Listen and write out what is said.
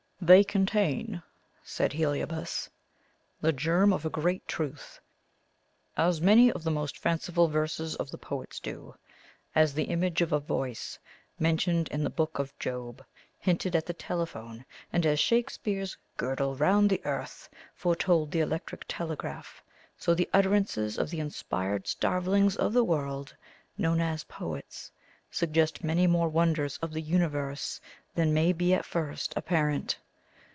"They contain," said Heliobas, "the germ of a great truth, as many of the most fanciful verses of the poets do. As the 'image of a voice' mentioned in the Book of Job hinted at the telephone, and as Shakespeare's 'girdle round the earth' foretold the electric telegraph, so the utterances of the inspired starvelings of the world, known as poets, suggest many more wonders of the universe than may be at first apparent.